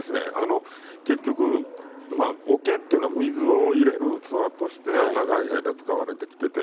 結局、桶っていうのは水を入れる器として長い間使われてきてて。